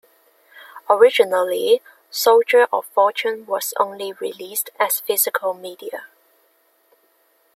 Originally, "Soldier of Fortune" was only released as physical media.